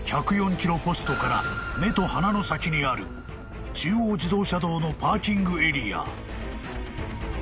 キロポストから目と鼻の先にある中央自動車道のパーキングエリア］